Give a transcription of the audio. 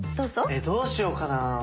えどうしようかな。